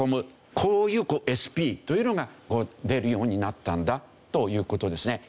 こういうＳＰというのが出るようになったんだという事ですね。